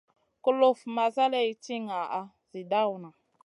Kulufn ma zaleyn ti ŋaʼa zi dawna.